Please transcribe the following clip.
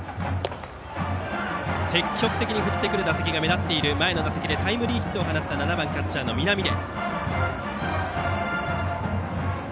積極的に振ってくる打席が目立つ前の打席でタイムリーヒットを放った７番キャッチャーの南出。